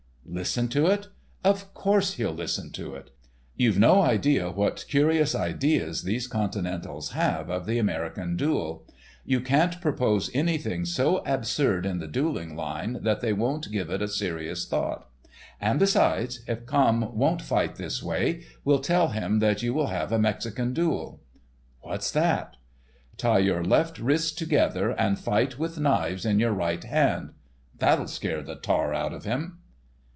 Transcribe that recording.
"Listen to it? Of course he'll listen to it. You've no idea what curious ideas these continentals have of the American duel. You can't propose anything so absurd in the dueling line that they won't give it serious thought. And besides, if Camme won't fight this way we'll tell him that you will have a Mexican duel." "What's that?" "Tie your left wrists together, and fight with knives in your right hand. That'll scare the tar out of him."